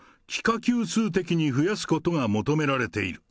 級数的に増やすことが求められている。